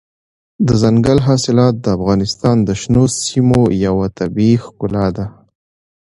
دځنګل حاصلات د افغانستان د شنو سیمو یوه طبیعي ښکلا ده.